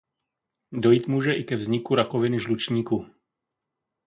Dojít může i ke vzniku rakoviny žlučníku.